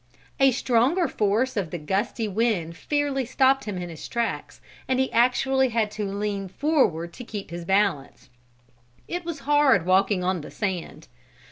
A stronger force of the gusty wind fairly stopped him in his tracks, and he actually had to lean forward to keep his balance. It was hard walking on the sand.